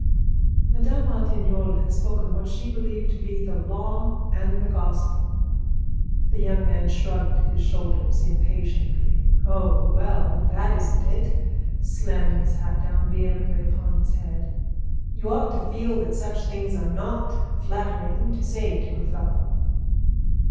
Madame Ratignolle had spoken what she believed to be the law and the gospel. The young man shrugged his shoulders impatiently. "Oh! well! That isn't it," slamming his hat down vehemently upon his head. "You ought to feel that such things are not flattering to say to a fellow."